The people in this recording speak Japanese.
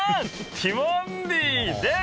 ティモンディです！